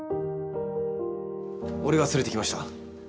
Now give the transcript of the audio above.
俺が連れてきました。